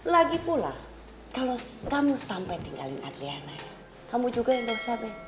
lagipula kalau kamu sampai tinggalin adriana kamu juga yang dosa be